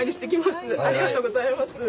ありがとうございます。